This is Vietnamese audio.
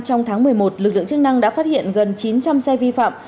trong tháng một mươi một lực lượng chức năng đã phát hiện gần chín trăm linh xe vi phạm